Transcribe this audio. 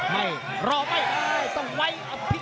ไม่เหด้รอไปต้องไว้